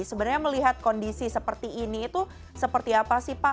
sebenarnya melihat kondisi seperti ini itu seperti apa sih pak